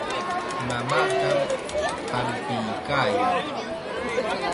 Mamaatam hampiykaayan.